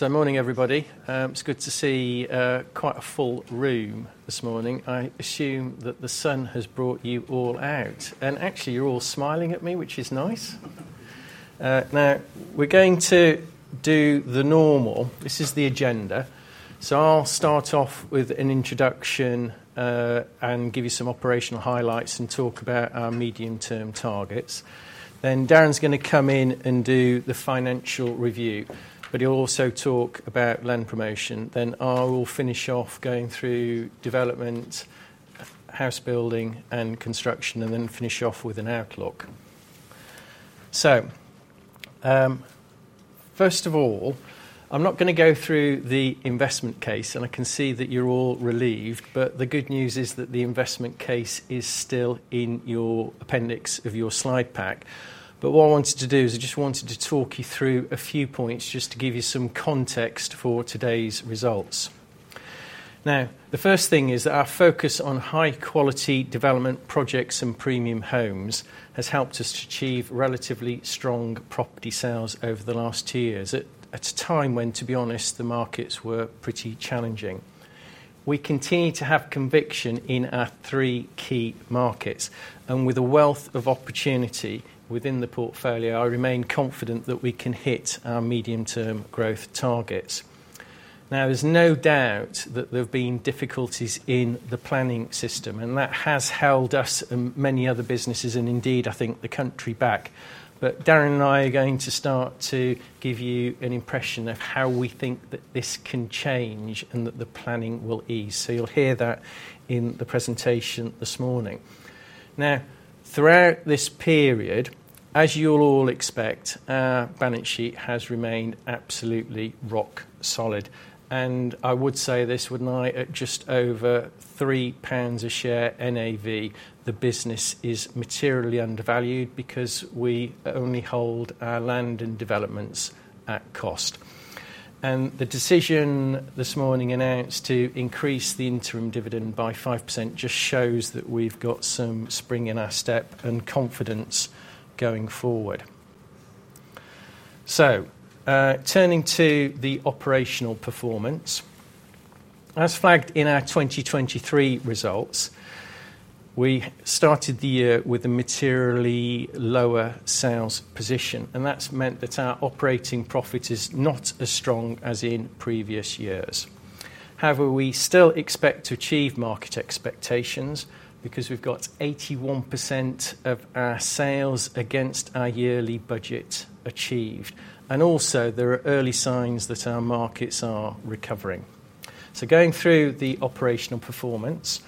Morning, everybody. It's good to see quite a full room this morning. I assume that the sun has brought you all out, and actually, you're all smiling at me, which is nice. Now, we're going to do the normal. This is the agenda. I'll start off with an introduction, and give you some operational highlights, and talk about our medium-term targets. Then Darren's gonna come in and do the financial review, but he'll also talk about land promotion. Then I will finish off going through development, house building, and construction, and then finish off with an outlook. First of all, I'm not gonna go through the investment case, and I can see that you're all relieved, but the good news is that the investment case is still in your appendix of your slide pack. But what I wanted to do is, I just wanted to talk you through a few points, just to give you some context for today's results. Now, the first thing is that our focus on high-quality development projects and premium homes has helped us to achieve relatively strong property sales over the last two years, at a time when, to be honest, the markets were pretty challenging. We continue to have conviction in our three key markets, and with a wealth of opportunity within the portfolio, I remain confident that we can hit our medium-term growth targets. Now, there's no doubt that there have been difficulties in the planning system, and that has held us and many other businesses, and indeed, I think, the country back. Darren and I are going to start to give you an impression of how we think that this can change, and that the planning will ease. You'll hear that in the presentation this morning. Now, throughout this period, as you'll all expect, our balance sheet has remained absolutely rock solid, and I would say this, wouldn't I? At just over 3 pounds a share NAV, the business is materially undervalued because we only hold our land and developments at cost. The decision this morning announced to increase the interim dividend by 5% just shows that we've got some spring in our step and confidence going forward. Turning to the operational performance. As flagged in our 2023 results, we started the year with a materially lower sales position, and that's meant that our operating profit is not as strong as in previous years. However, we still expect to achieve market expectations, because we've got 81% of our sales against our yearly budget achieved, and also, there are early signs that our markets are recovering. So going through the operational performance,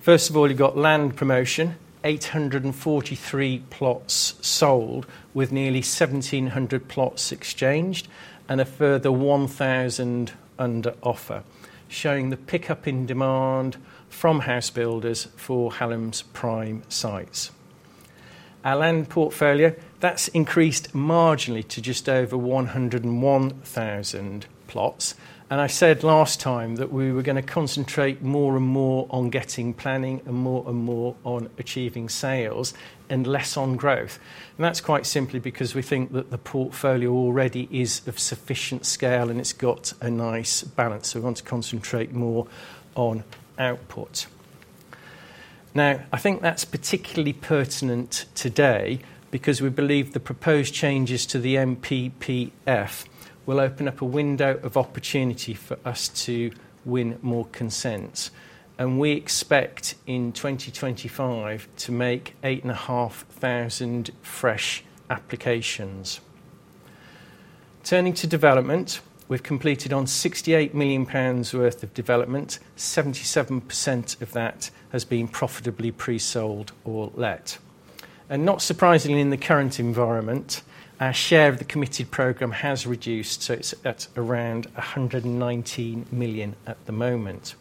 first of all, you've got land promotion, 843 plots sold, with nearly 1,700 plots exchanged, and a further 1,000 under offer, showing the pickup in demand from house builders for Hallam's prime sites. Our land portfolio, that's increased marginally to just over 101,000 plots, and I said last time that we were gonna concentrate more and more on getting planning and more and more on achieving sales, and less on growth, and that's quite simply because we think that the portfolio already is of sufficient scale, and it's got a nice balance, so we want to concentrate more on output. Now, I think that's particularly pertinent today because we believe the proposed changes to the NPPF will open up a window of opportunity for us to win more consents, and we expect in 2025 to make 8,500 fresh applications. Turning to development, we've completed on 68 million pounds worth of development. 77% of that has been profitably pre-sold or let, and not surprisingly, in the current environment, our share of the committed program has reduced, so it's at around 119 million at the moment,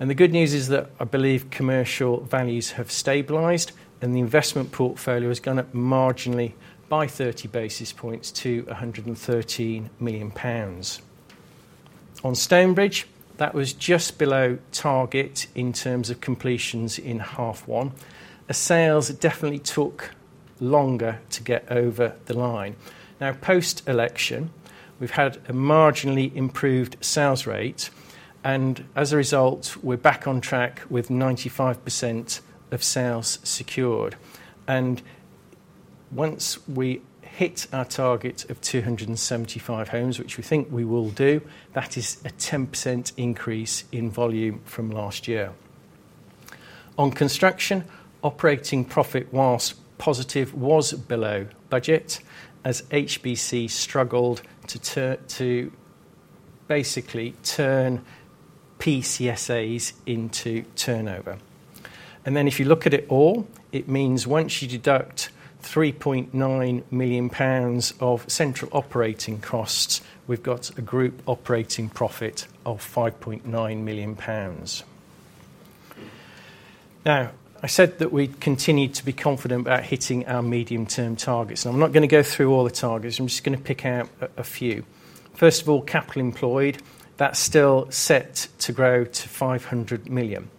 and the good news is that I believe commercial values have stabilized, and the investment portfolio has gone up marginally by 30 basis points to 113 million pounds. On Stonebridge, that was just below target in terms of completions in half one. As sales, it definitely took longer to get over the line. Now, post-election, we've had a marginally improved sales rate, and as a result, we're back on track with 95% of sales secured, and once we hit our target of 275 homes, which we think we will do, that is a 10% increase in volume from last year. On construction, operating profit, while positive, was below budget, as HBC struggled to basically turn PCSAs into turnover, and then, if you look at it all, it means once you deduct 3.9 million pounds of central operating costs, we've got a group operating profit of 5.9 million pounds. Now, I said that we continued to be confident about hitting our medium-term targets, and I'm not gonna go through all the targets. I'm just gonna pick out a few. First of all, capital employed, that's still set to grow to 500 million....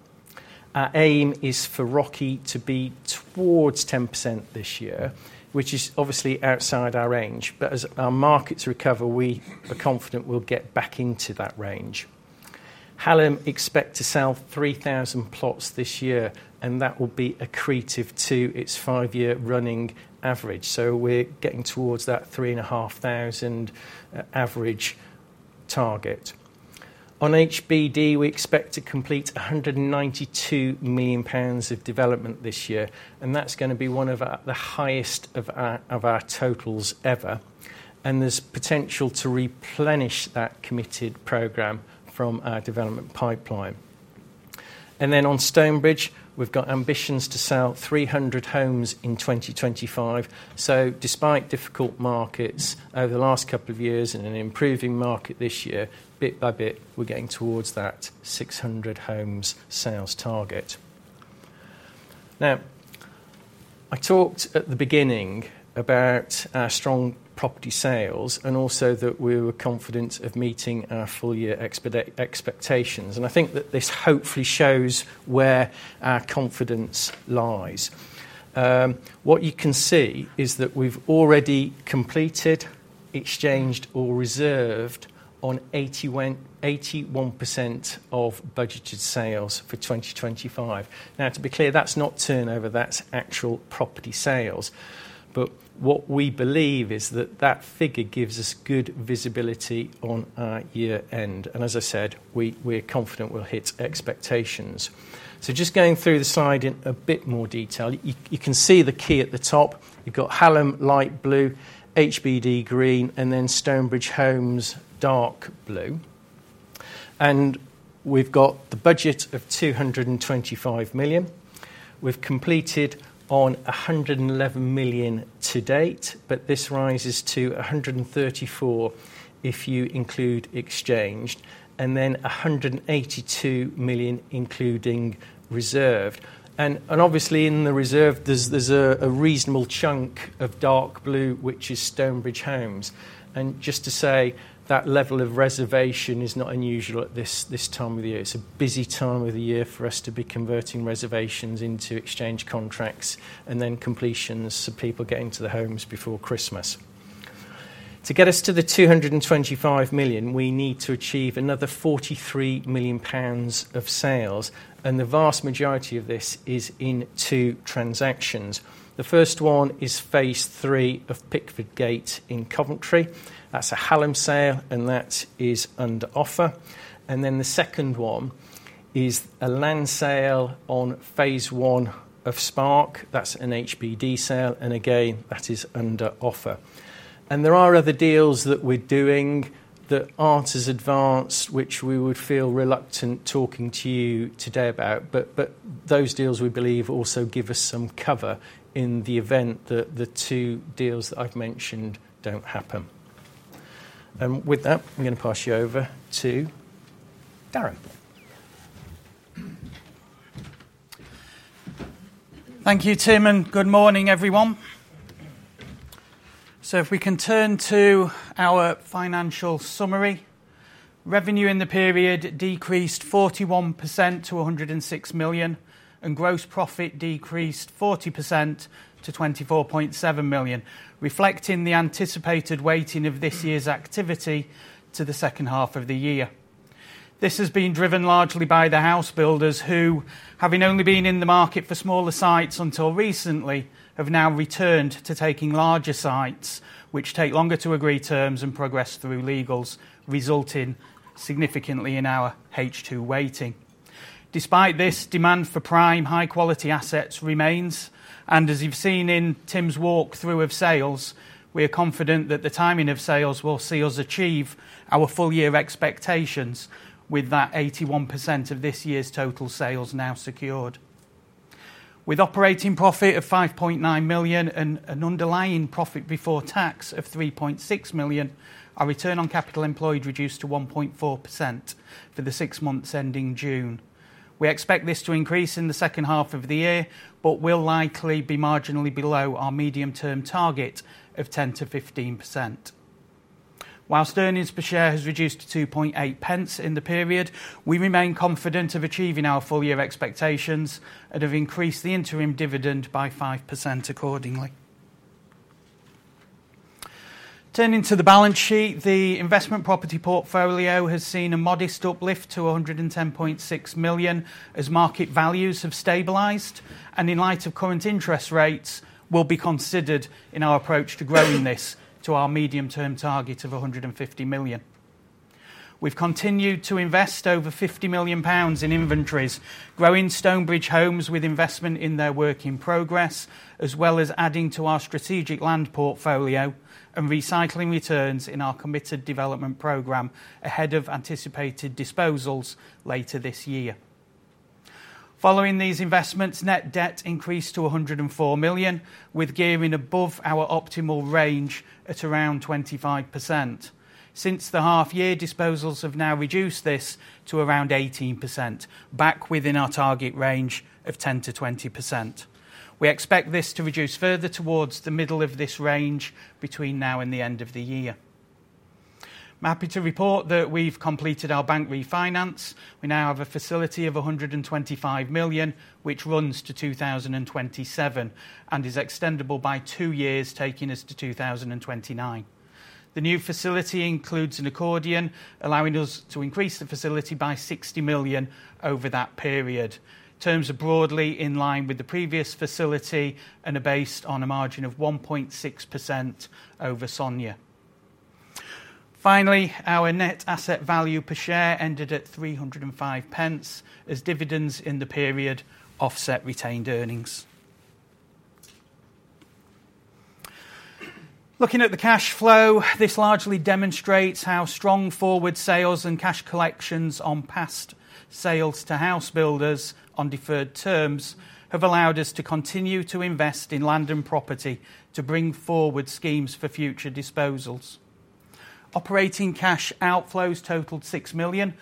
Our aim is for ROCE to be towards 10% this year, which is obviously outside our range. But as our markets recover, we are confident we'll get back into that range. Hallam expects to sell 3,000 plots this year, and that will be accretive to its five-year running average. So we're getting towards that 3,500 average target. On HBD, we expect to complete 192 million pounds of development this year, and that's gonna be one of our, the highest of our, of our totals ever, and there's potential to replenish that committed program from our development pipeline. And then on Stonebridge, we've got ambitions to sell 300 homes in 2025. So despite difficult markets over the last couple of years and an improving market this year, bit by bit, we're getting towards that 600 homes sales target. Now, I talked at the beginning about our strong property sales and also that we were confident of meeting our full year expectations, and I think that this hopefully shows where our confidence lies. What you can see is that we've already completed, exchanged or reserved on 81, 81% of budgeted sales for twenty twenty-five. Now, to be clear, that's not turnover, that's actual property sales. But what we believe is that that figure gives us good visibility on our year end, and as I said, we're confident we'll hit expectations. Just going through the slide in a bit more detail, you can see the key at the top. You've got Hallam, light blue, HBD, green, and then Stonebridge Homes, dark blue. And we've got the budget of 225 million. We've completed on 111 million to date, but this rises to 134 million if you include exchanged, and then 182 million, including reserved. And obviously in the reserved, there's a reasonable chunk of dark blue, which is Stonebridge Homes. And just to say, that level of reservation is not unusual at this time of the year. It's a busy time of the year for us to be converting reservations into exchange contracts and then completions, so people getting to their homes before Christmas. To get us to the 225 million, we need to achieve another 43 million pounds of sales, and the vast majority of this is in two transactions. The first one is phase III of Pickford Gate in Coventry. That's a Hallam sale, and that is under offer. And then the second one is a land sale on phase I of Spark. That's an HBD sale, and again, that is under offer. There are other deals that we're doing that aren't as advanced, which we would feel reluctant talking to you today about, but those deals, we believe, also give us some cover in the event that the two deals that I've mentioned don't happen. With that, I'm gonna pass you over to Darren. Thank you, Tim, and good morning, everyone. So if we can turn to our financial summary, revenue in the period decreased 41% to 106 million, and gross profit decreased 40% to 24.7 million, reflecting the anticipated weighting of this year's activity to the second half of the year. This has been driven largely by the house builders who, having only been in the market for smaller sites until recently, have now returned to taking larger sites, which take longer to agree terms and progress through legals, resulting significantly in our H2 weighting. Despite this, demand for prime, high-quality assets remains, and as you've seen in Tim's walkthrough of sales, we are confident that the timing of sales will see us achieve our full-year expectations with that 81% of this year's total sales now secured. With operating profit of 5.9 million and an underlying profit before tax of 3.6 million, our return on capital employed reduced to 1.4% for the six months ending June. We expect this to increase in the second half of the year, but will likely be marginally below our medium-term target of 10%-15%. Whilst earnings per share has reduced to 0.028 in the period, we remain confident of achieving our full-year expectations and have increased the interim dividend by 5% accordingly. Turning to the balance sheet, the investment property portfolio has seen a modest uplift to 110.6 million, as market values have stabilized, and in light of current interest rates, will be considered in our approach to growing this to our medium-term target of 150 million. We've continued to invest over 50 million pounds in inventories, growing Stonebridge Homes with investment in their work in progress, as well as adding to our strategic land portfolio and recycling returns in our committed development program ahead of anticipated disposals later this year. Following these investments, net debt increased to 104 million, with gearing above our optimal range at around 25%. Since the half year, disposals have now reduced this to around 18%, back within our target range of 10%-20%. We expect this to reduce further towards the middle of this range between now and the end of the year. I'm happy to report that we've completed our bank refinance. We now have a facility of 125 million, which runs to 2027, and is extendable by two years, taking us to 2029. The new facility includes an accordion, allowing us to increase the facility by 60 million over that period. Terms are broadly in line with the previous facility and are based on a margin of 1.6% over SONIA. Finally, our net asset value per share ended at 305 pence, as dividends in the period offset retained earnings. Looking at the cash flow, this largely demonstrates how strong forward sales and cash collections on past sales to house builders on deferred terms have allowed us to continue to invest in land and property to bring forward schemes for future disposals. Operating cash outflows totaled 6 million,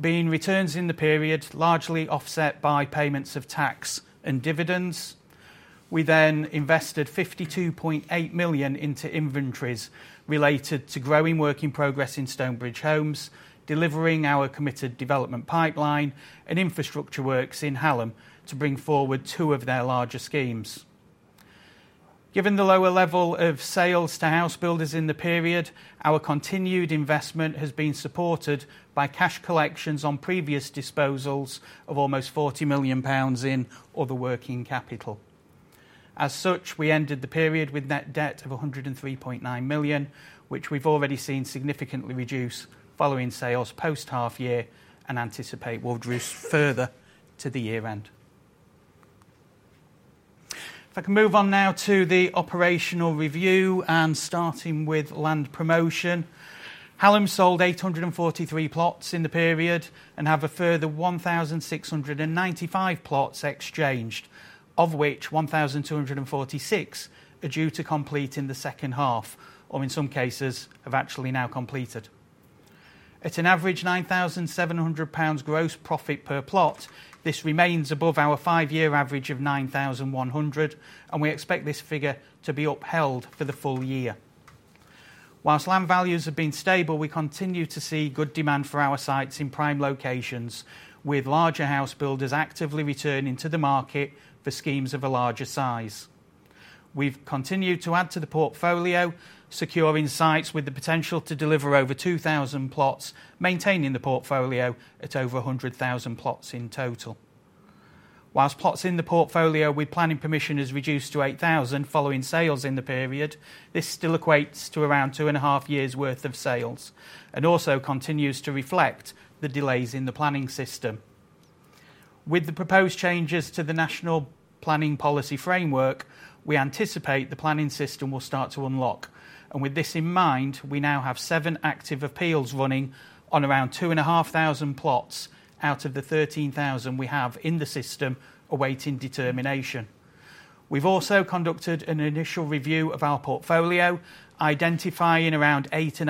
being returns in the period, largely offset by payments of tax and dividends. We then invested 52.8 million into inventories related to growing work in progress in Stonebridge Homes, delivering our committed development pipeline and infrastructure works in Hallam to bring forward two of their larger schemes. Given the lower level of sales to house builders in the period, our continued investment has been supported by cash collections on previous disposals of almost 40 million pounds in other working capital. As such, we ended the period with net debt of 103.9 million, which we've already seen significantly reduce following sales post half year and anticipate will reduce further to the year end. If I can move on now to the operational review, and starting with land promotion. Hallam sold 843 plots in the period and have a further 1,695 plots exchanged, of which 1,246 are due to complete in the second half, or in some cases, have actually now completed. At an average 9,700 pounds gross profit per plot, this remains above our five-year average of 9,100, and we expect this figure to be upheld for the full year. While land values have been stable, we continue to see good demand for our sites in prime locations, with larger house builders actively returning to the market for schemes of a larger size. We've continued to add to the portfolio, securing sites with the potential to deliver over 2,000 plots, maintaining the portfolio at over 100,000 plots in total. Whilst plots in the portfolio with planning permission is reduced to eight thousand following sales in the period, this still equates to around two and a half years worth of sales, and also continues to reflect the delays in the planning system. With the proposed changes to the National Planning Policy Framework, we anticipate the planning system will start to unlock, and with this in mind, we now have seven active appeals running on around two and a half thousand plots out of the thirteen thousand we have in the system awaiting determination. We've also conducted an initial review of our portfolio, identifying around eight and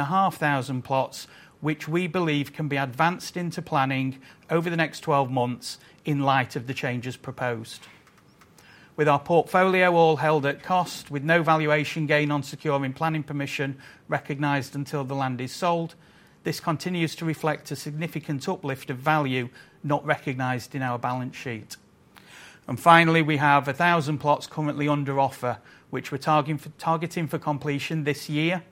a half thousand plots, which we believe can be advanced into planning over the next twelve months in light of the changes proposed. With our portfolio all held at cost with no valuation gain on securing planning permission recognized until the land is sold, this continues to reflect a significant uplift of value not recognized in our balance sheet. Finally, we have 1,000 plots currently under offer, which we're targeting for completion this year,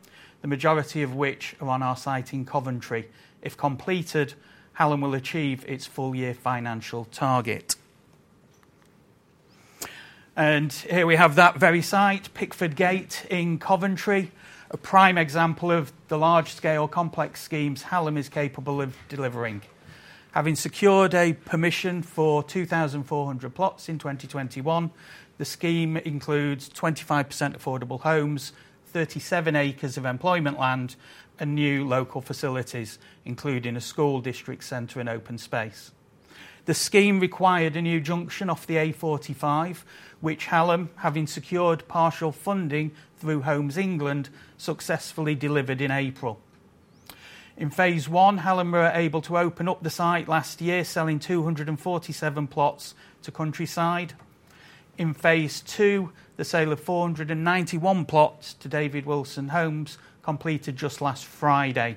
the majority of which are on our site in Coventry. If completed, Hallam will achieve its full year financial target. Here we have that very site, Pickford Gate in Coventry, a prime example of the large-scale complex schemes Hallam is capable of delivering. Having secured a permission for 2,400 plots in 2021, the scheme includes 25% affordable homes, 37 acres of employment land, and new local facilities, including a school district centre and open space. The scheme required a new junction off the A45, which Hallam, having secured partial funding through Homes England, successfully delivered in April. In phase I, Hallam were able to open up the site last year, selling 247 plots to Countryside. In phase II, the sale of 491 plots to David Wilson Homes completed just last Friday.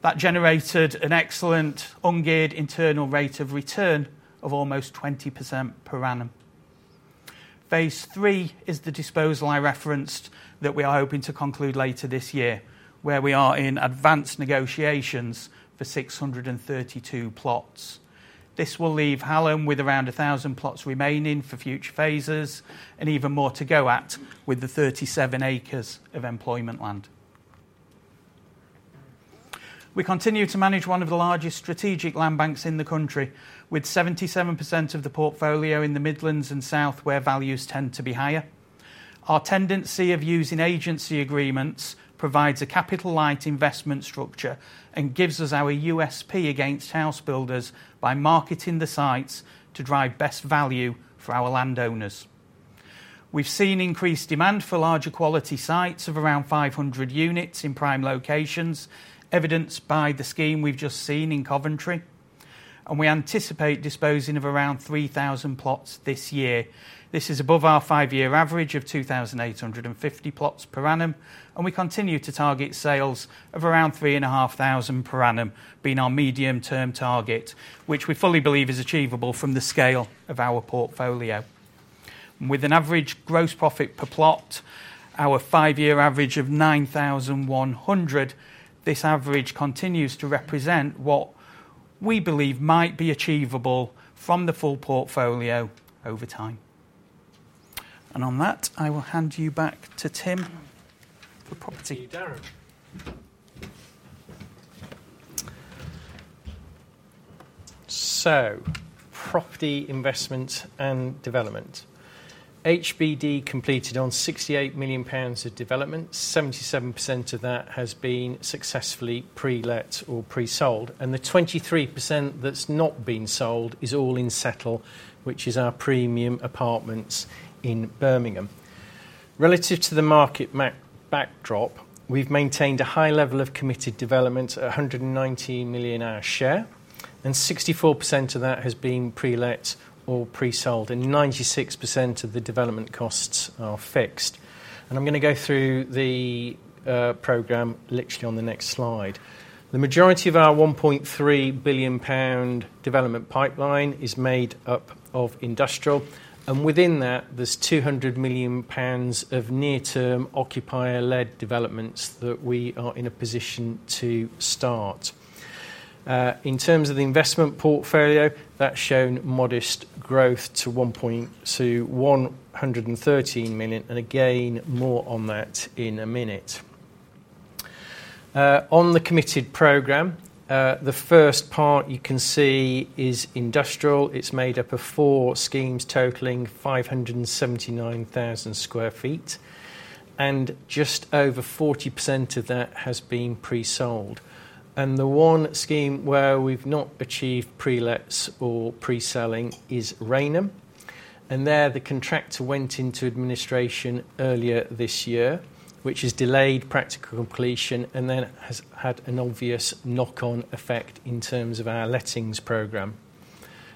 That generated an excellent ungeared internal rate of return of almost 20% per annum. phase III is the disposal I referenced that we are hoping to conclude later this year, where we are in advanced negotiations for 632 plots. This will leave Hallam with around 1,000 plots remaining for future phases and even more to go at with the 37 acres of employment land. We continue to manage one of the largest strategic land banks in the country, with 77% of the portfolio in the Midlands and South, where values tend to be higher. Our tendency of using agency agreements provides a capital-light investment structure and gives us our USP against house builders by marketing the sites to drive best value for our landowners. We've seen increased demand for larger quality sites of around 500 units in prime locations, evidenced by the scheme we've just seen in Coventry... and we anticipate disposing of around 3,000 plots this year. This is above our five-year average of 2,850 plots per annum, and we continue to target sales of around 3,500 per annum, being our medium-term target, which we fully believe is achievable from the scale of our portfolio. With an average gross profit per plot, our five-year average of 9,100, this average continues to represent what we believe might be achievable from the full portfolio over time. And on that, I will hand you back to Tim for property. Thank you, Darren. So property investment and development. HBD completed on 68 million pounds of development. 77% of that has been successfully pre-let or pre-sold, and the 23% that's not been sold is all in Setl, which is our premium apartments in Birmingham. Relative to the market backdrop, we've maintained a high level of committed development, 190 million our share, and 64% of that has been pre-let or pre-sold, and 96% of the development costs are fixed. And I'm gonna go through the program literally on the next slide. The majority of our 1.3 billion pound development pipeline is made up of industrial, and within that, there's 200 million pounds of near-term occupier-led developments that we are in a position to start. In terms of the investment portfolio, that's shown modest growth to 113 million, and again, more on that in a minute. On the committed program, the first part you can see is industrial. It's made up of four schemes totaling 579,000 sq ft, and just over 40% of that has been pre-sold. The one scheme where we've not achieved pre-lets or pre-selling is Rainham, and there, the contractor went into administration earlier this year, which has delayed practical completion and then has had an obvious knock-on effect in terms of our lettings program.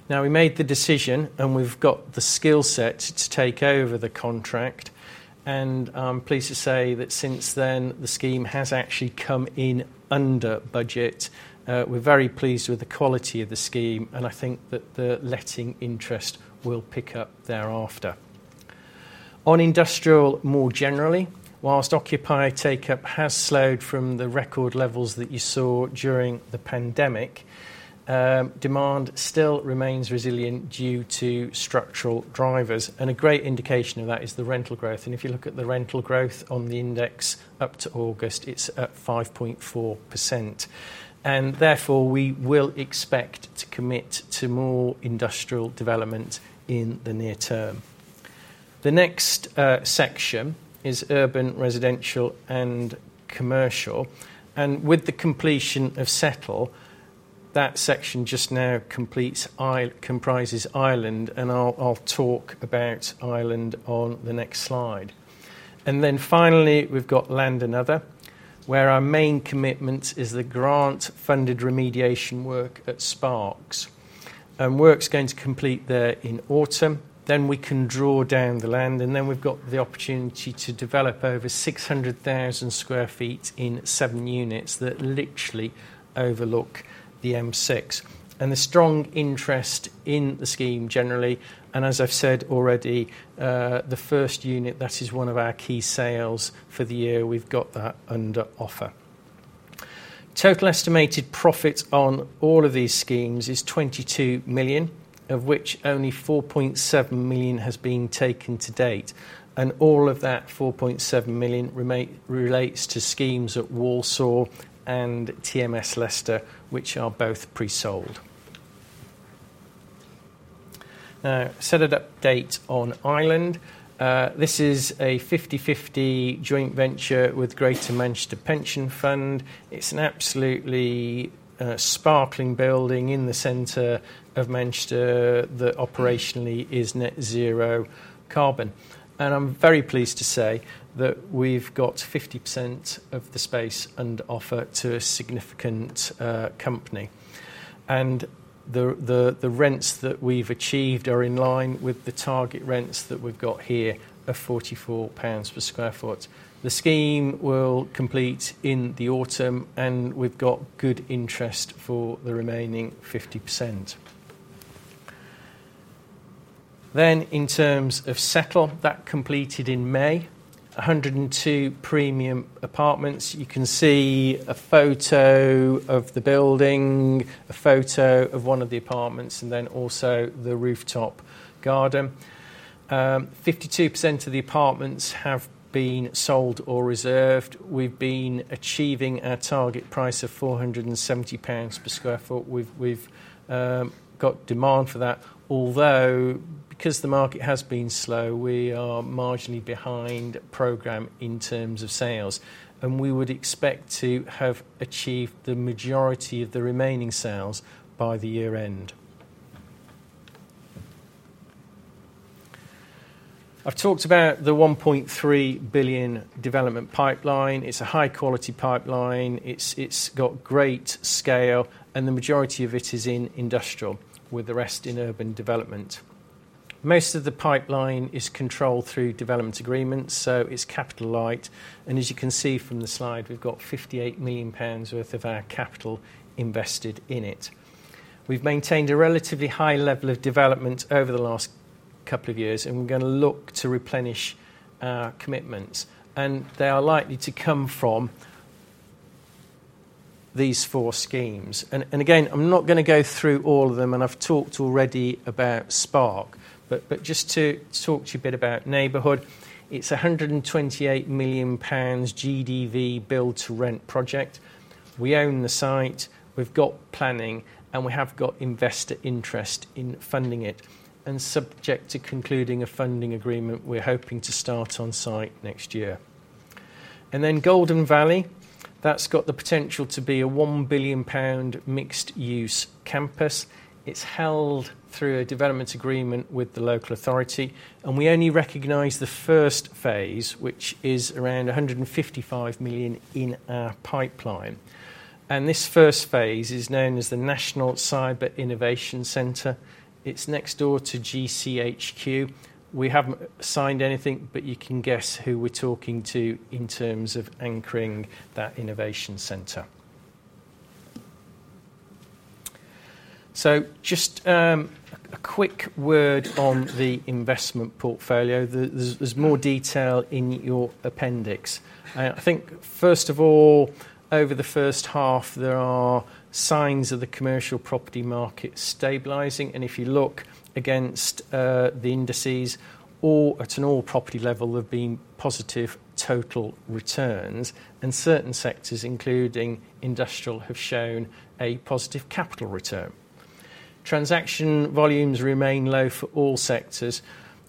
Now, we made the decision, and we've got the skill set to take over the contract, and I'm pleased to say that since then, the scheme has actually come in under budget. We're very pleased with the quality of the scheme, and I think that the letting interest will pick up thereafter. On industrial, more generally, while occupier take-up has slowed from the record levels that you saw during the pandemic, demand still remains resilient due to structural drivers, and a great indication of that is the rental growth. And if you look at the rental growth on the index up to August, it's at 5.4%, and therefore, we will expect to commit to more industrial development in the near term. The next section is urban, residential, and commercial, and with the completion of Setl, that section just now comprises Island, and I'll talk about Island on the next slide. And then finally, we've got land and other, where our main commitment is the grant-funded remediation work at The Spark. Work's going to complete there in autumn, then we can draw down the land, and then we've got the opportunity to develop over 600,000 sq ft in 7 units that literally overlook the M6. The strong interest in the scheme generally, and as I've said already, the first unit, that is one of our key sales for the year, we've got that under offer. Total estimated profit on all of these schemes is 22 million, of which only 4.7 million has been taken to date, and all of that 4.7 million remains relates to schemes at Walsall and TMS Leicester, which are both pre-sold. Now, an update on Island. This is a 50/50 joint venture with Greater Manchester Pension Fund. It's an absolutely sparkling building in the center of Manchester that operationally is net zero carbon. I'm very pleased to say that we've got 50% of the space under offer to a significant company. The rents that we've achieved are in line with the target rents that we've got here of 44 pounds per sq ft. The scheme will complete in the autumn, and we've got good interest for the remaining 50%. In terms of Setl, that completed in May, 102 premium apartments. You can see a photo of the building, a photo of one of the apartments, and then also the rooftop garden. 52% of the apartments have been sold or reserved. We've been achieving our target price of 470 pounds per sq ft. We've got demand for that. Although, because the market has been slow, we are marginally behind program in terms of sales, and we would expect to have achieved the majority of the remaining sales by the year end. I've talked about the 1.3 billion development pipeline. It's a high-quality pipeline. It's, it's got great scale, and the majority of it is in industrial, with the rest in urban development. Most of the pipeline is controlled through development agreements, so it's capital light, and as you can see from the slide, we've got 58 million pounds worth of our capital invested in it. We've maintained a relatively high level of development over the last couple of years, and we're gonna look to replenish our commitments, and they are likely to come from these four schemes. And again, I'm not gonna go through all of them, and I've talked already about Spark, but just to talk to you a bit about Neighbourhood, it's 128 million pounds GDV build-to-rent project. We own the site, we've got planning, and we have got investor interest in funding it. And subject to concluding a funding agreement, we're hoping to start on site next year. And then Golden Valley, that's got the potential to be a 1 billion pound mixed-use campus. It's held through a development agreement with the local authority, and we only recognize the first phase, which is around 155 million in our pipeline. And this first phase is known as the National Cyber Innovation Centre. It's next door to GCHQ. We haven't signed anything, but you can guess who we're talking to in terms of anchoring that innovation centre. So just a quick word on the investment portfolio. There's more detail in your appendix. I think, first of all, over the first half, there are signs of the commercial property market stabilizing, and if you look against the indices, at an all property level, there have been positive total returns, and certain sectors, including industrial, have shown a positive capital return. Transaction volumes remain low for all sectors,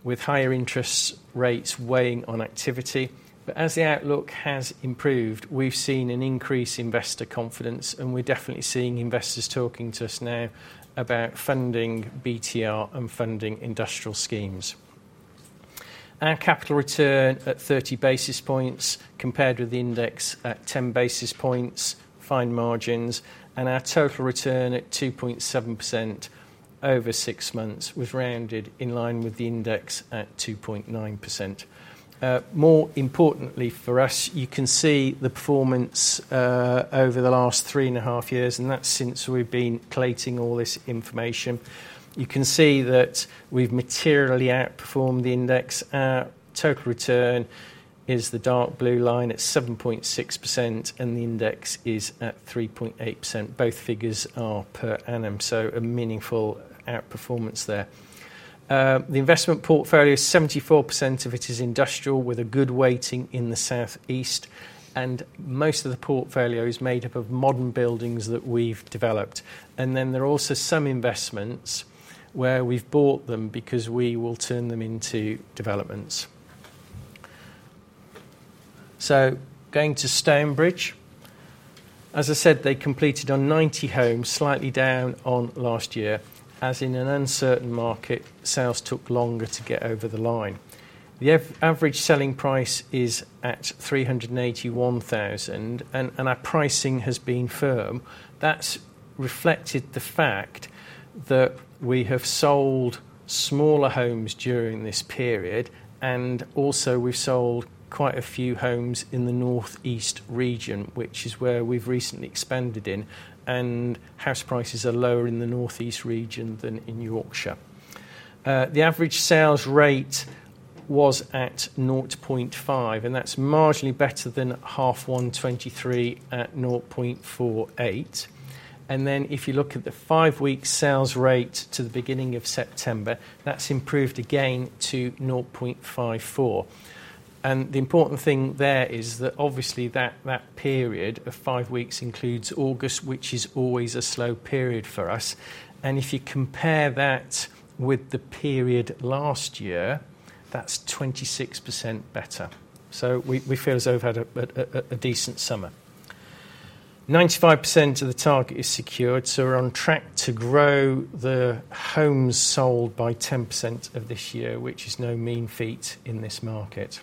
with higher interest rates weighing on activity. But as the outlook has improved, we've seen an increase in investor confidence, and we're definitely seeing investors talking to us now about funding BTR and funding industrial schemes. Our capital return at thirty basis points, compared with the index at ten basis points, fine margins, and our total return at 2.7% over six months was rounded in line with the index at 2.9%. More importantly for us, you can see the performance over the last three and a half years, and that's since we've been collating all this information. You can see that we've materially outperformed the index. Our total return is the dark blue line at 7.6%, and the index is at 3.8%. Both figures are per annum, so a meaningful outperformance there. The investment portfolio, 74% of it is industrial, with a good weighting in the Southeast, and most of the portfolio is made up of modern buildings that we've developed. And then there are also some investments where we've bought them because we will turn them into developments. So going to Stonebridge. As I said, they completed on 90 homes, slightly down on last year. As in an uncertain market, sales took longer to get over the line. The average selling price is at 381,000, and our pricing has been firm. That's reflected the fact that we have sold smaller homes during this period, and also we've sold quite a few homes in the Northeast region, which is where we've recently expanded in, and house prices are lower in the Northeast region than in Yorkshire. The average sales rate was at 0.5%, and that's marginally better than half one 2023 at 0.48%. And then, if you look at the five-week sales rate to the beginning of September, that's improved again to 0.54%. And the important thing there is that obviously, that period of five weeks includes August, which is always a slow period for us. And if you compare that with the period last year, that's 26% better. So we feel as though we've had a decent summer. 95% of the target is secured, so we're on track to grow the homes sold by 10% this year, which is no mean feat in this market.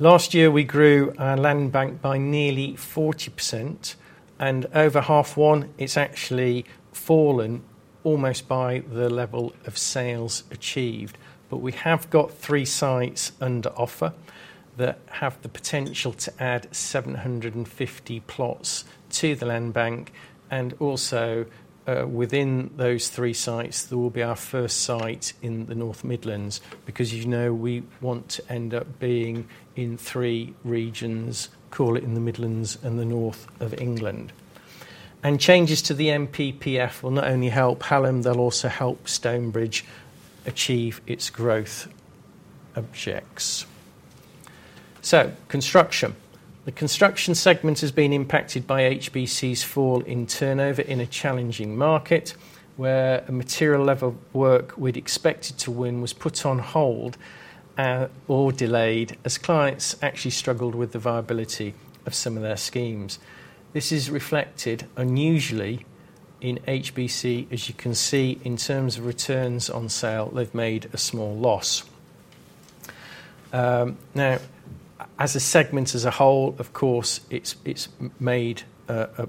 Last year, we grew our land bank by nearly 40%, and over half one, it's actually fallen almost to the level of sales achieved. We have got three sites under offer that have the potential to add 750 plots to the land bank, and also, within those three sites, there will be our first site in the North Midlands, because you know, we want to end up being in three regions, call it in the Midlands and the North of England. Changes to the NPPF will not only help Hallam, they'll also help Stonebridge achieve its growth objectives. Construction. The construction segment has been impacted by HBC's fall in turnover in a challenging market, where a material level of work we'd expected to win was put on hold, or delayed, as clients actually struggled with the viability of some of their schemes. This is reflected in HBC, as you can see, in terms of returns on sale. They've made a small loss. Now, as a segment, as a whole, of course, it's made an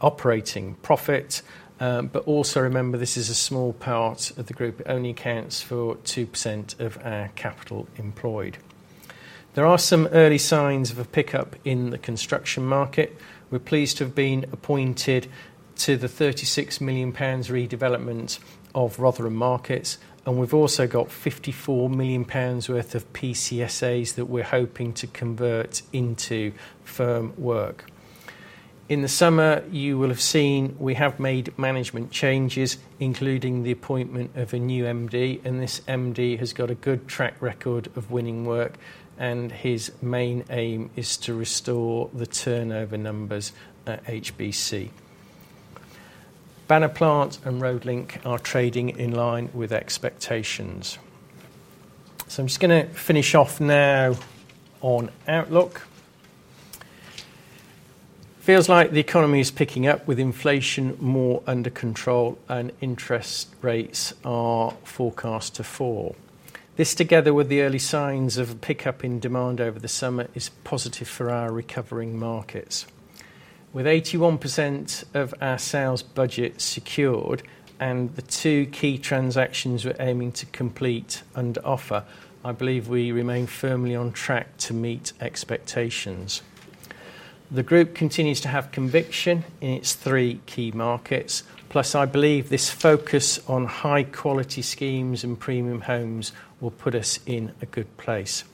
operating profit, but also remember, this is a small part of the group. It only accounts for 2% of our capital employed. There are some early signs of a pickup in the construction market. We're pleased to have been appointed to the 36 million pounds redevelopment of Rotherham Markets, and we've also got 54 million pounds worth of PCSAs that we're hoping to convert into firm work. In the summer, you will have seen we have made management changes, including the appointment of a new MD, and this MD has got a good track record of winning work, and his main aim is to restore the turnover numbers at HBC. Banner Plant and Road Link are trading in line with expectations. I'm just gonna finish off now on outlook. Feels like the economy is picking up, with inflation more under control, and interest rates are forecast to fall. This, together with the early signs of a pickup in demand over the summer, is positive for our recovering markets. With 81% of our sales budget secured and the two key transactions we're aiming to complete under offer, I believe we remain firmly on track to meet expectations. The group continues to have conviction in its three key markets, plus, I believe this focus on high quality schemes and premium homes will put us in a good place.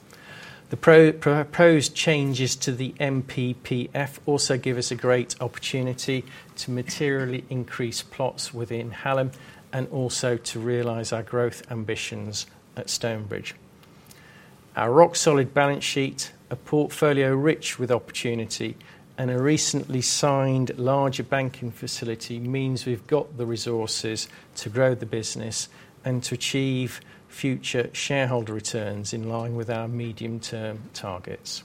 The proposed changes to the NPPF also give us a great opportunity to materially increase plots within Hallam and also to realize our growth ambitions at Stonebridge. Our rock-solid balance sheet, a portfolio rich with opportunity, and a recently signed larger banking facility means we've got the resources to grow the business and to achieve future shareholder returns in line with our medium-term targets.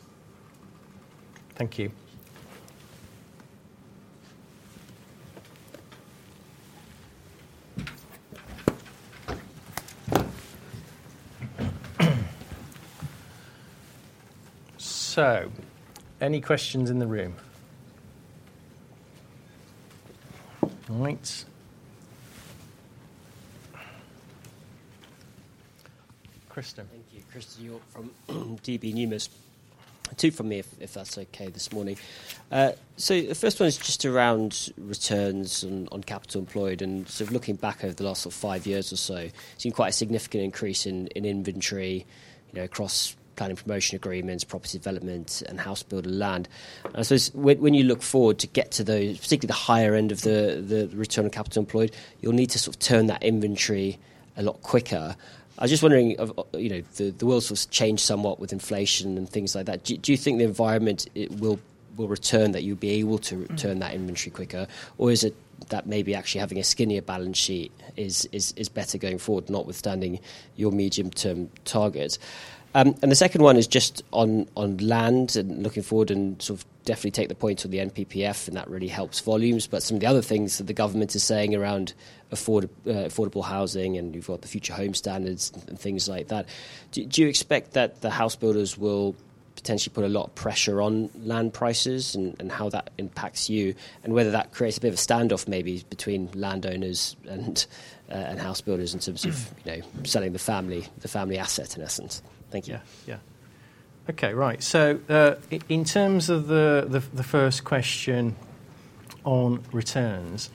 Thank you. So, any questions in the room? All right. Christian. Thank you. Christian Hjorth from DB Numis. Two from me, if that's okay this morning. So the first one is just around returns on capital employed, and sort of looking back over the last sort of five years or so, seen quite a significant increase in inventory, you know, across planning promotion agreements, property development, and house builder land. I suppose when you look forward to get to the, particularly the higher end of the return on capital employed, you'll need to sort of turn that inventory a lot quicker. I was just wondering of, you know, the world sort of changed somewhat with inflation and things like that. Do you think the environment it will return that you'll be able to return that inventory quicker or is it that maybe actually having a skinnier balance sheet is better going forward notwithstanding your medium-term targets? And the second one is just on land and looking forward and sort of definitely take the point of the NPPF and that really helps volumes. But some of the other things that the government is saying around affordable housing and you've got the Future Home Standards and things like that do you expect that the house builders will potentially put a lot of pressure on land prices and how that impacts you and whether that creates a bit of a standoff maybe between landowners and house builders in terms of you know selling the family asset in essence? Thank you. Yeah. Yeah. Okay, right. So, in terms of the first question on returns,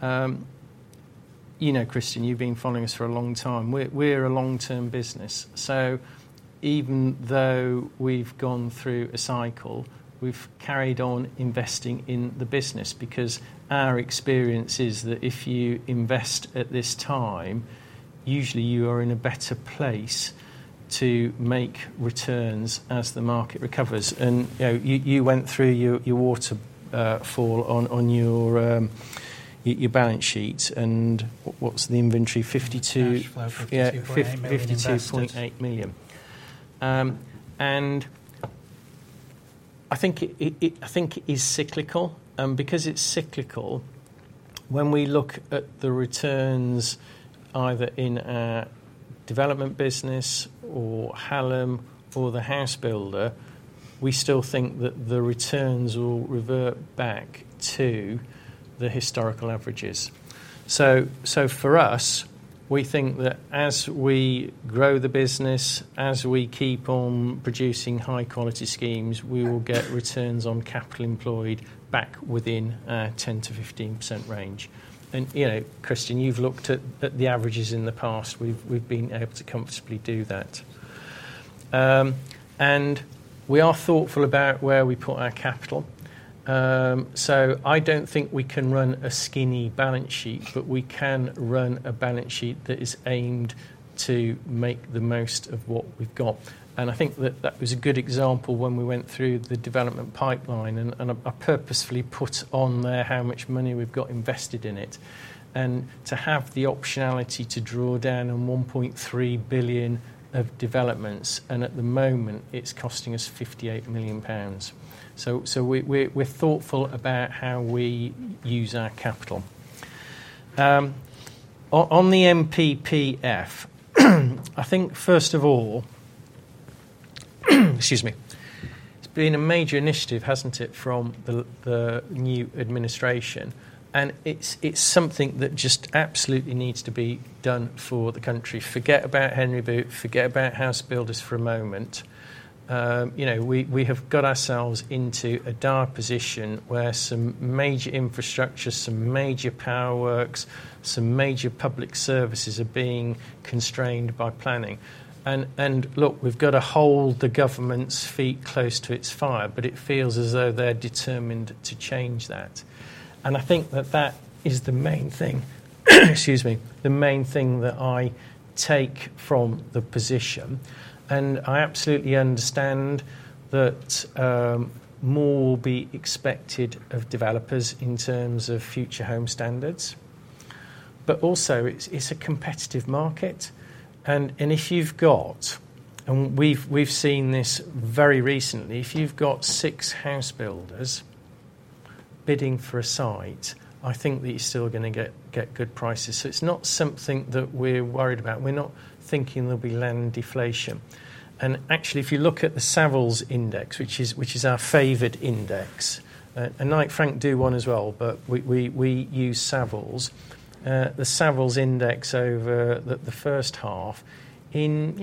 you know, Christian, you've been following us for a long time. We're a long-term business, so even though we've gone through a cycle, we've carried on investing in the business, because our experience is that if you invest at this time, usually you are in a better place to make returns as the market recovers. And, you know, you went through your waterfall on your balance sheet, and what's the inventory? 52- Cash flow, 52.8 million invested. Yeah, 52.8 million. And I think it is cyclical. Because it's cyclical, when we look at the returns, either in our development business or Hallam or the house builder, we still think that the returns will revert back to the historical averages. So for us, we think that as we grow the business, as we keep on producing high quality schemes, we will get returns on capital employed back within a 10%-15% range. And, you know, Christian, you've looked at the averages in the past. We've been able to comfortably do that. And we are thoughtful about where we put our capital. So I don't think we can run a skinny balance sheet, but we can run a balance sheet that is aimed to make the most of what we've got. I think that was a good example when we went through the development pipeline, and I purposefully put on there how much money we've got invested in it. To have the optionality to draw down on 1.3 billion of developments, and at the moment, it's costing us 58 million pounds. We are thoughtful about how we use our capital. On the NPPF, I think, first of all, excuse me. It's been a major initiative, hasn't it, from the new administration, and it's something that just absolutely needs to be done for the country. Forget about Henry Boot, forget about house builders for a moment. You know, we have got ourselves into a dire position where some major infrastructure, some major power works, some major public services are being constrained by planning. Look, we've got to hold the government's feet close to its fire, but it feels as though they're determined to change that. I think that is the main thing, excuse me, the main thing that I take from the position, and I absolutely understand that, more will be expected of developers in terms of Future Homes Standard. But also, it's a competitive market, and if you've got and we've seen this very recently. If you've got six house builders bidding for a site, I think that you're still gonna get good prices. So it's not something that we're worried about. We're not thinking there'll be land deflation. And actually, if you look at the Savills Index, which is our favorite index, and Knight Frank do one as well, but we use Savills. The Savills Index over the first half in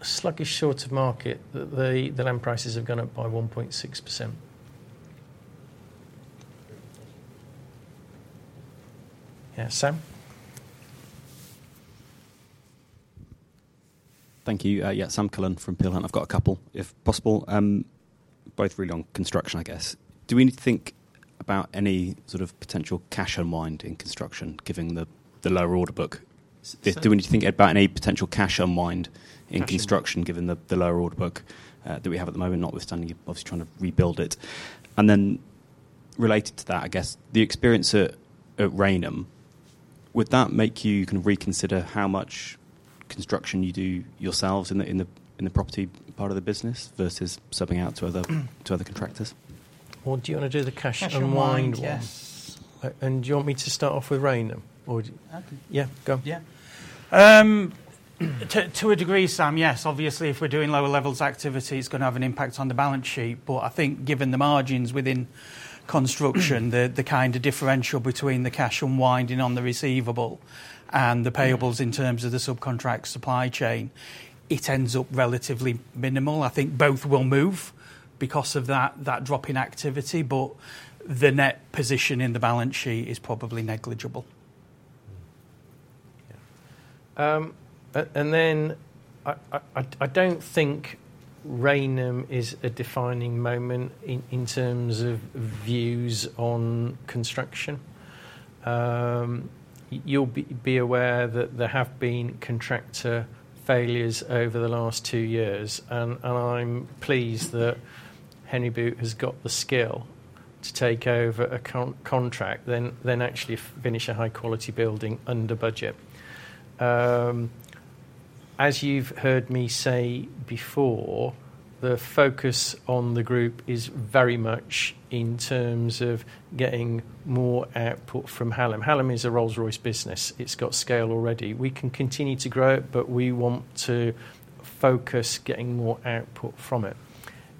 a sluggish sector market, the land prices have gone up by 1.6%. Yeah, Sam? Thank you. Yeah, Sam Cullen from Peel Hunt and I've got a couple, if possible, both really on construction, I guess. Do we need to think about any potential cash unwind in construction, given the lower order book that we have at the moment, notwithstanding, you're obviously trying to rebuild it? And then related to that, I guess, the experience at Rainham, would that make you kind of reconsider how much construction you do yourselves in the property part of the business versus subbing out to other contractors? Do you want to do the cash unwind one? Cash unwind, yes. And do you want me to start off with Rainham, or do you- I can. Yeah, go. Yeah. To a degree, Sam, yes. Obviously, if we're doing lower levels of activity, it's gonna have an impact on the balance sheet, but I think given the margins within construction, the kind of differential between the cash unwinding on the receivable and the payables in terms of the subcontract supply chain, it ends up relatively minimal. I think both will move because of that drop in activity, but the net position in the balance sheet is probably negligible. Yeah. And then, I don't think Rainham is a defining moment in terms of views on construction. You'll be aware that there have been contractor failures over the last two years, and I'm pleased that Henry Boot has got the skill to take over a contract, then actually finish a high-quality building under budget. As you've heard me say before, the focus on the group is very much in terms of getting more output from Hallam. Hallam is a Rolls-Royce business. It's got scale already. We can continue to grow it, but we want to focus getting more output from it.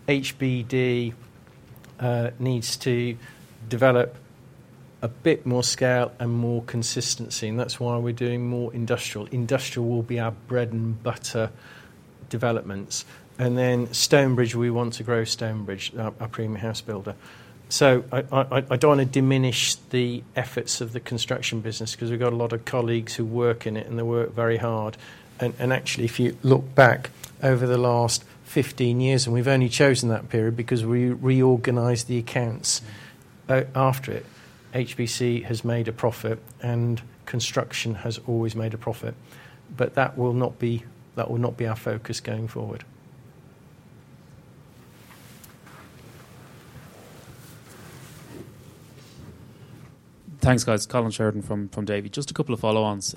HBD needs to develop a bit more scale and more consistency, and that's why we're doing more industrial. Industrial will be our bread-and-butter developments. And then Stonebridge, we want to grow Stonebridge, our premium house builder. So I don't want to diminish the efforts of the construction business 'cause we've got a lot of colleagues who work in it, and they work very hard. And actually, if you look back over the last fifteen years, and we've only chosen that period because we reorganized the accounts after it, HBC has made a profit and construction has always made a profit, but that will not be our focus going forward. Thanks, guys. Colin Sheridan from Davy. Just a couple of follow-ons,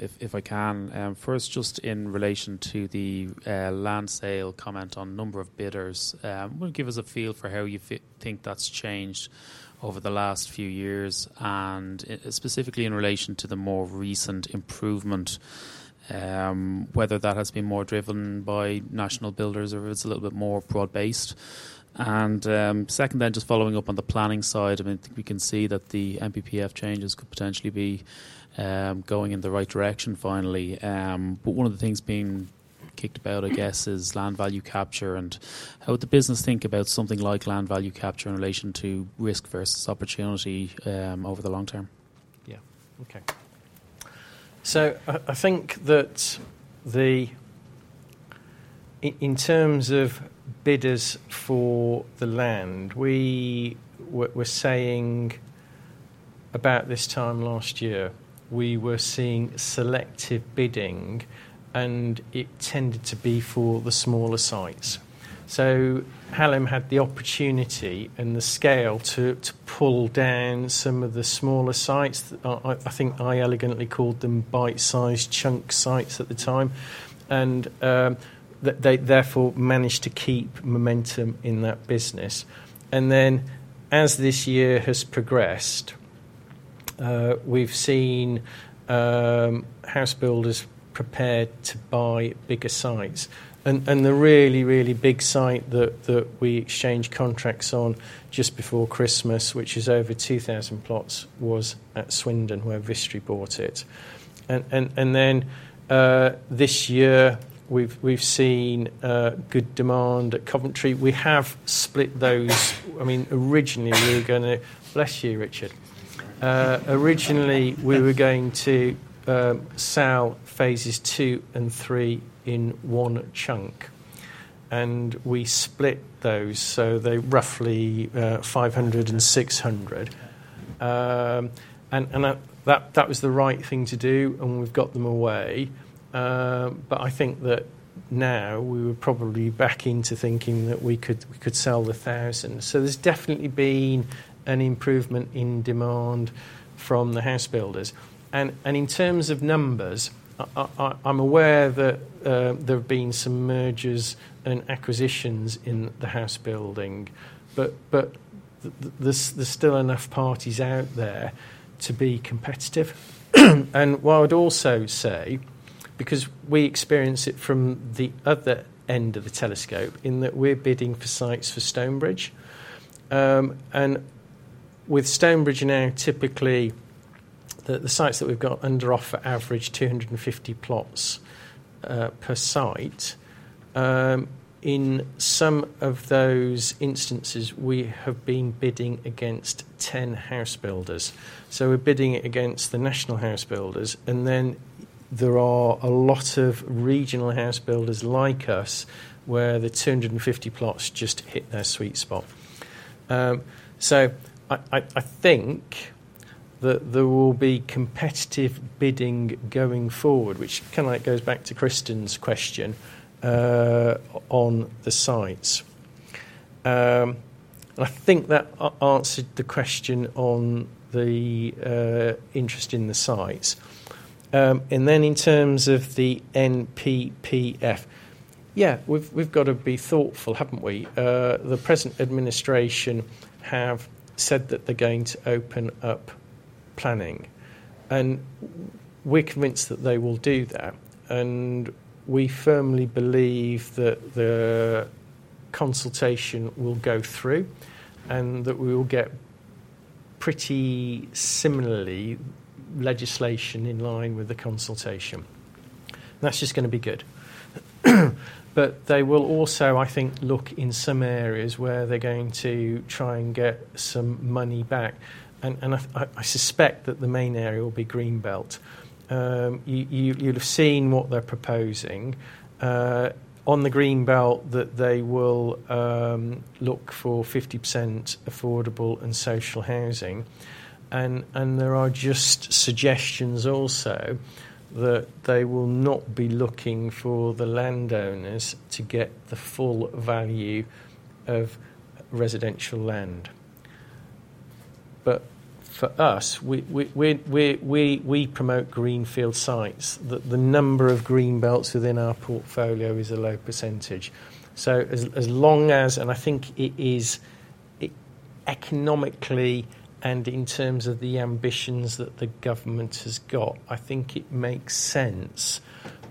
if I can. First, just in relation to the land sale comment on number of bidders, well, give us a feel for how you think that's changed over the last few years, and specifically in relation to the more recent improvement, whether that has been more driven by national builders or it's a little bit more broad-based. Second, then, just following up on the planning side, I mean, I think we can see that the NPPF changes could potentially be going in the right direction finally, but one of the things being kicked about, I guess, is land value capture, and how would the business think about something like land value capture in relation to risk versus opportunity over the long term? Yeah. Okay. I think that in terms of bidders for the land, we were saying about this time last year, we were seeing selective bidding, and it tended to be for the smaller sites. Hallam had the opportunity and the scale to pull down some of the smaller sites. I think I elegantly called them bite-sized chunk sites at the time, and they therefore managed to keep momentum in that business. Then as this year has progressed, we've seen house builders prepared to buy bigger sites. And the really big site that we exchanged contracts on just before Christmas, which is over two thousand plots, was at Swindon, where Vistry bought it. Then this year, we've seen good demand at Coventry. We have split those. I mean, originally, we were gonna Bless you, Richard. Originally, we were going to sell phases II and three in one chunk, and we split those, so they're roughly 500 and 600. And that was the right thing to do, and we've got them away. But I think that now we were probably back into thinking that we could sell the 1,000. So there's definitely been an improvement in demand from the house builders. And in terms of numbers, I'm aware that there have been some mergers and acquisitions in the house building, but there's still enough parties out there to be competitive. And what I'd also say, because we experience it from the other end of the telescope, in that we're bidding for sites for Stonebridge. With Stonebridge now, typically, the sites that we've got under offer average 250 plots per site. In some of those instances, we have been bidding against 10 house builders. We're bidding against the national house builders, and then there are a lot of regional house builders like us, where the 250 plots just hit their sweet spot. I think that there will be competitive bidding going forward, which kind of goes back to Kristen's question on the sites. I think that answered the question on the interest in the sites. In terms of the NPPF, yeah, we've got to be thoughtful, haven't we? The present administration have said that they're going to open up planning, and we're convinced that they will do that, and we firmly believe that the consultation will go through, and that we will get pretty similarly legislation in line with the consultation. That's just gonna be good, but they will also, I think, look in some areas where they're going to try and get some money back, and I suspect that the main area will be Green Belt. You'll have seen what they're proposing on the Green Belt, that they will look for 50% affordable and social housing, and there are just suggestions also that they will not be looking for the landowners to get the full value of residential land, but for us, we promote greenfield sites. The number of Green Belts within our portfolio is a low percentage. So as long as, and I think it is, economically and in terms of the ambitions that the government has got, I think it makes sense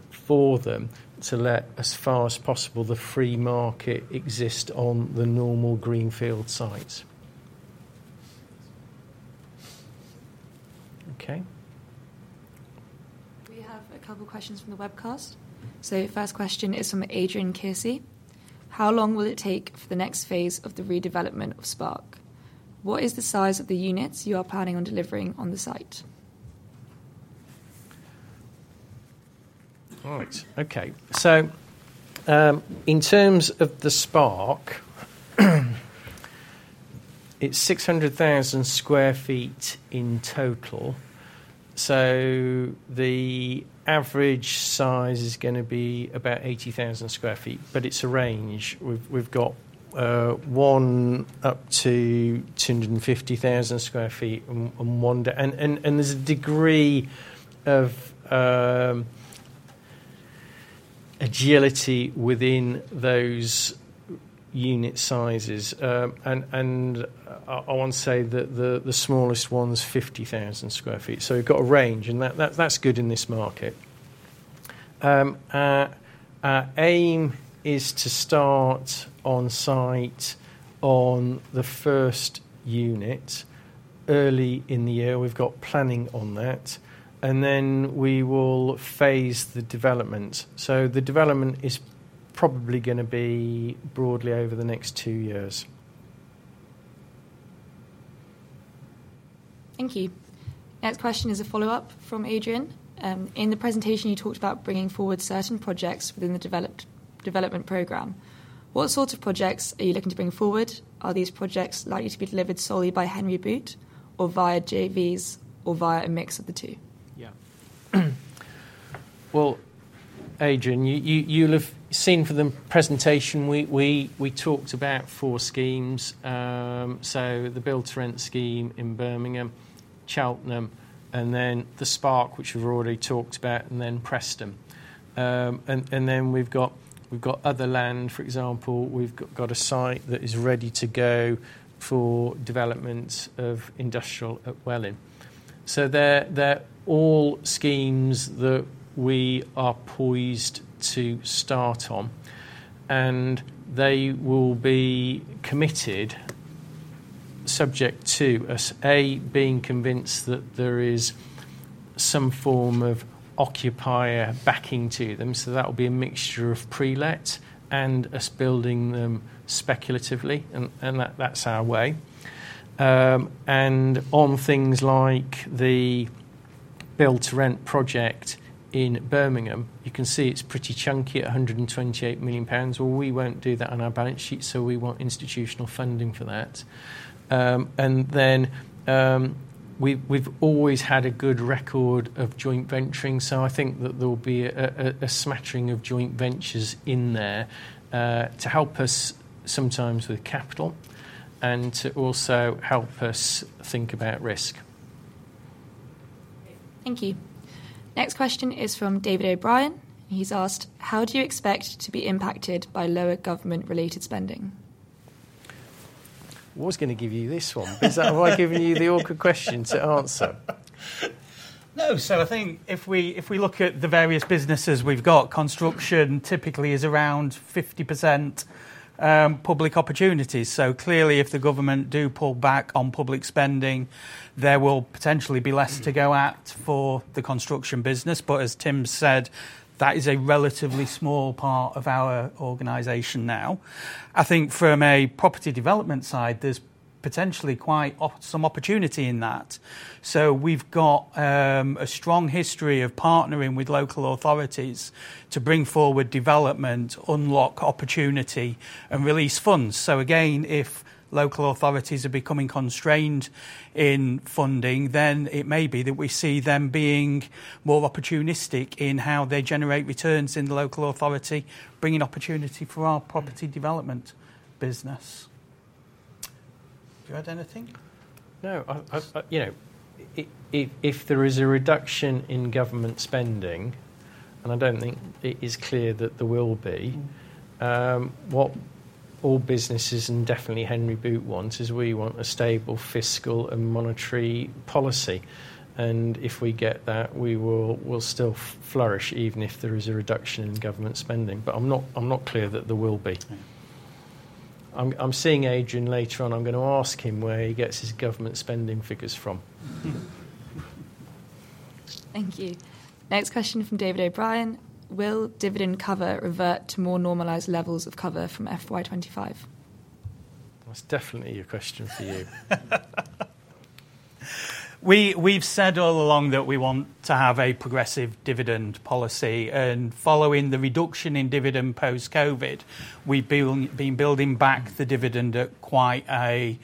for them to let, as far as possible, the free market exist on the normal greenfield sites. Okay. We have a couple questions from the webcast. So first question is from Adrian Casey:How long will it take for the next phase of the redevelopment of The Spark? What is the size of the units you are planning on delivering on the site? Right, okay. So in terms of The Spark, it's 600,000 sq ft in total. So the average size is gonna be about 80,000 sq ft, but it's a range. We've got ones up to 250,000 sq ft. And there's a degree of agility within those unit sizes. And I want to say that the smallest one's 50,000 sq ft. So we've got a range, and that's good in this market. Our aim is to start on site on the first unit early in the year. We've got planning on that, and then we will phase the development. So the development is probably gonna be broadly over the next two years. Thank you. Next question is a follow-up from Adrian. In the presentation, you talked about bringing forward certain projects within the development program. What sort of projects are you looking to bring forward? Are these projects likely to be delivered solely by Henry Boot or via JVs or via a mix of the two? Yeah. Well, Adrian, you'll have seen from the presentation, we talked about four schemes. So the build-to-rent scheme in Birmingham, Cheltenham and then The Spark, which we've already talked about, and then Preston. And then we've got other land, for example, we've got a site that is ready to go for development of industrial at Welwyn. So they're all schemes that we are poised to start on, and they will be committed, subject to us being convinced that there is some form of occupier backing to them. So that will be a mixture of pre-let and us building them speculatively, and that, that's our way. And on things like the build-to-rent project in Birmingham, you can see it's pretty chunky at 128 million pounds. We won't do that on our balance sheet, so we want institutional funding for that. And then, we've always had a good record of joint venturing, so I think that there will be a smattering of joint ventures in there, to help us sometimes with capital and to also help us think about risk. Thank you. Next question is from David O'Brien. He's asked: How do you expect to be impacted by lower government-related spending? I was gonna give you this one. Is that why I've given you the awkward question to answer? No. So I think if we, if we look at the various businesses we've got, construction typically is around 50% public opportunities. So clearly, if the government do pull back on public spending, there will potentially be less to go at for the construction business. But as Tim said, that is a relatively small part of our organization now. I think from a property development side, there's potentially some opportunity in that. So we've got a strong history of partnering with local authorities to bring forward development, unlock opportunity, and release funds. So again, if local authorities are becoming constrained in funding, then it may be that we see them being more opportunistic in how they generate returns in the local authority, bringing opportunity for our property development business. Do you add anything? No, I, you know, if there is a reduction in government spending, and I don't think it is clear that there will be, what all businesses, and definitely Henry Boot wants, is we want a stable fiscal and monetary policy. And if we get that, we'll still flourish, even if there is a reduction in government spending. But I'm not clear that there will be. Yeah. I'm seeing Adrian later on. I'm gonna ask him where he gets his government spending figures from. Thank you. Next question from David O'Brien: Will dividend cover revert to more normalized levels of cover from FY 2025? That's definitely a question for you. We've said all along that we want to have a progressive dividend policy, and following the reduction in dividend post-COVID, we've been building back the dividend at quite a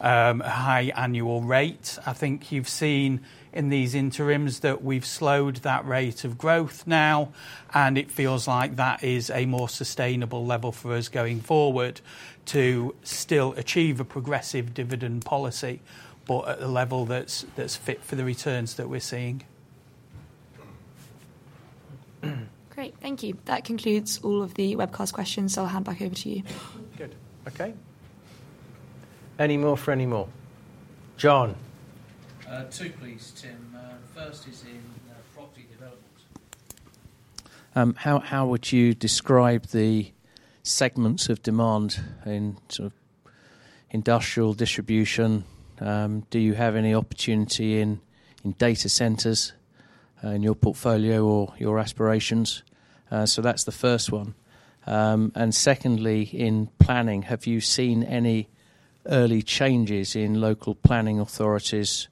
high annual rate. I think you've seen in these interims that we've slowed that rate of growth now, and it feels like that is a more sustainable level for us going forward to still achieve a progressive dividend policy, but at a level that's fit for the returns that we're seeing. Great, thank you. That concludes all of the webcast questions, so I'll hand back over to you. Good. Okay. Any more for any more? John. Two, please, Tim. First is in property development. How would you describe the segments of demand in sort of industrial distribution? Do you have any opportunity in data centers in your portfolio or your aspirations? So that's the first one. And secondly, in planning, have you seen any early changes in local planning authorities,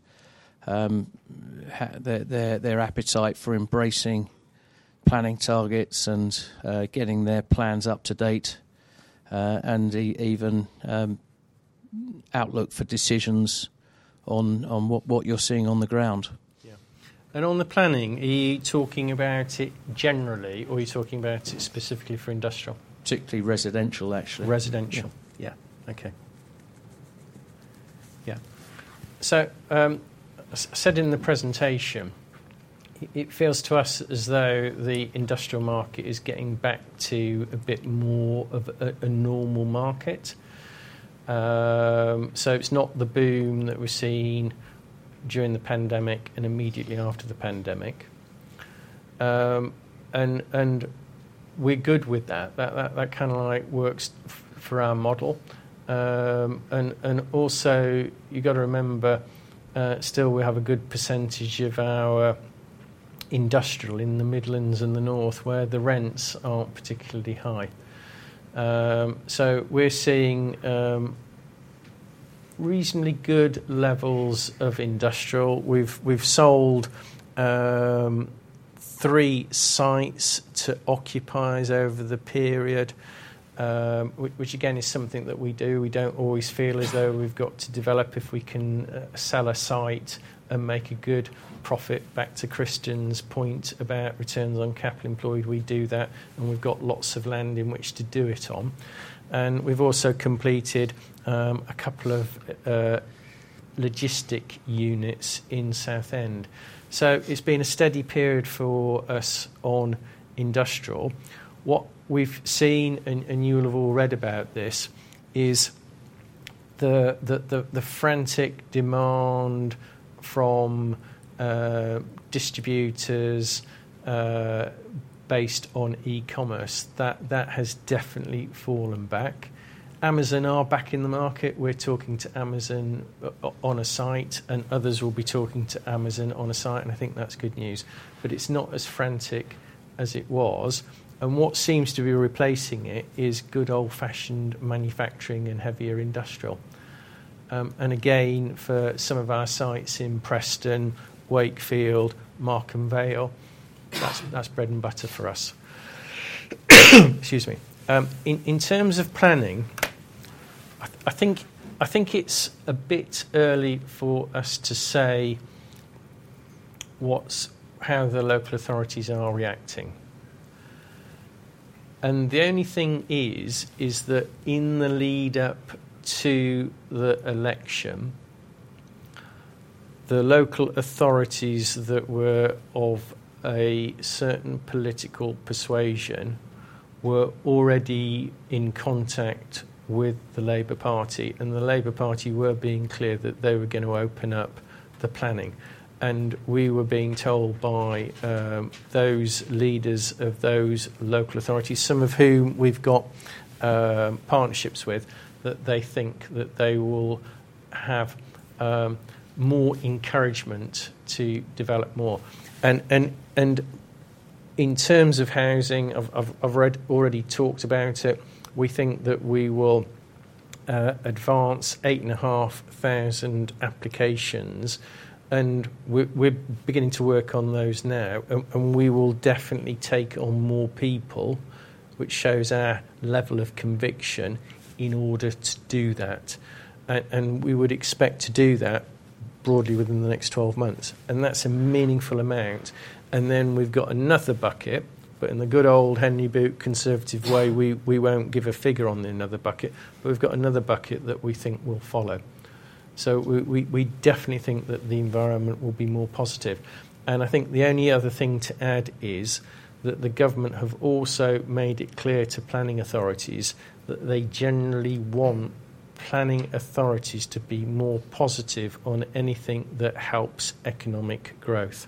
their appetite for embracing planning targets and getting their plans up to date, and even outlook for decisions on what you're seeing on the ground? Yeah. And on the planning, are you talking about it generally, or are you talking about it specifically for industrial? Particularly residential, actually. Residential. Yeah. Yeah. Okay. Yeah. So, I said in the presentation, it feels to us as though the industrial market is getting back to a bit more of a normal market. So it's not the boom that we're seeing during the pandemic and immediately after the pandemic. And we're good with that. That kinda like works for our model. And also, you got to remember, still we have a good percentage of our industrial in the Midlands and the North, where the rents aren't particularly high. So we're seeing reasonably good levels of industrial. We've sold three sites to occupiers over the period, which again, is something that we do. We don't always feel as though we've got to develop if we can sell a site and make a good profit. Back to Christian's point about returns on capital employed, we do that, and we've got lots of land in which to do it on. And we've also completed a couple of logistics units in Southend. So it's been a steady period for us on industrial. What we've seen, and you'll have all read about this, is the frantic demand from distributors based on e-commerce. That has definitely fallen back. Amazon are back in the market. We're talking to Amazon on a site, and others will be talking to Amazon on a site, and I think that's good news, but it's not as frantic as it was, and what seems to be replacing it is good old-fashioned manufacturing and heavier industrial. And again, for some of our sites in Preston, Wakefield, Markham Vale, that's bread and butter for us. Excuse me. In terms of planning, I think it's a bit early for us to say what's how the local authorities are reacting. And the only thing is that in the lead-up to the election, the local authorities that were of a certain political persuasion were already in contact with the Labour Party, and the Labour Party were being clear that they were going to open up the planning. And we were being told by those leaders of those local authorities, some of whom we've got partnerships with, that they think that they will have more encouragement to develop more. In terms of housing, I've already talked about it. We think that we will advance 8,500 applications, and we're beginning to work on those now, and we will definitely take on more people, which shows our level of conviction in order to do that. And we would expect to do that broadly within the next 12 months, and that's a meaningful amount. Then we've got another bucket, but in the good old Henry Boot conservative way, we won't give a figure on another bucket, but we've got another bucket that we think will follow. So we definitely think that the environment will be more positive. And I think the only other thing to add is that the government have also made it clear to planning authorities that they generally want planning authorities to be more positive on anything that helps economic growth.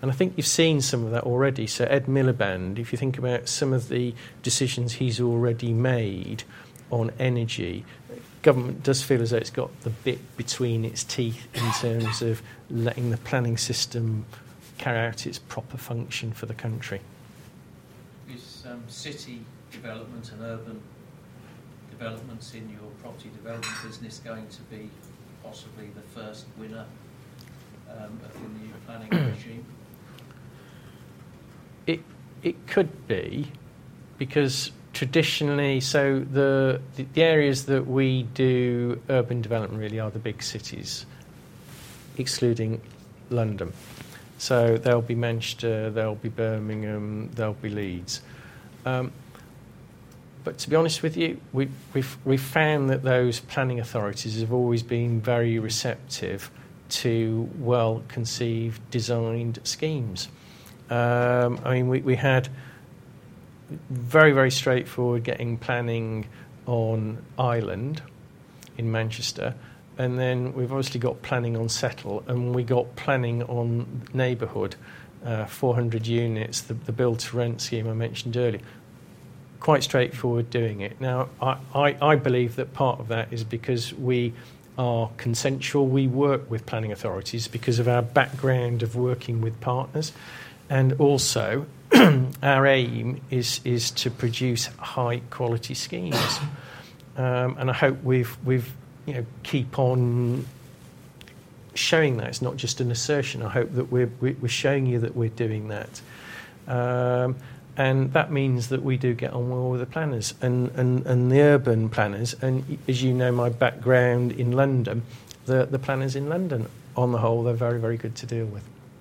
And I think you've seen some of that already. So Ed Miliband, if you think about some of the decisions he's already made on energy, government does feel as though it's got the bit between its teeth in terms of letting the planning system carry out its proper function for the country. Is city development and urban developments in your property development business going to be possibly the first winner within the new planning regime? It could be, because traditionally, the areas that we do urban development really are the big cities, excluding London. So they'll be Manchester, they'll be Birmingham, they'll be Leeds. But to be honest with you, we've found that those planning authorities have always been very receptive to well-conceived, designed schemes. I mean, we had very straightforward getting planning on Island in Manchester, and then we've obviously got planning on Setl, and we got planning on Neighbourhood, 400 units, the build-to-rent scheme I mentioned earlier. Quite straightforward doing it. Now, I believe that part of that is because we are consensual. We work with planning authorities because of our background of working with partners, and also, our aim is to produce high-quality schemes. And I hope we've you know keep on showing that. It's not just an assertion. I hope that we're showing you that we're doing that, and that means that we do get on well with the planners and the urban planners, and as you know, my background in London, the planners in London, on the whole, they're very, very good to deal with.